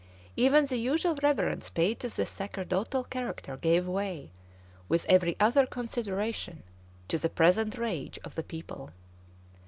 [*] Even the usual reverence paid to the sacerdotal character gave way, with every other consideration, to the present rage of the people.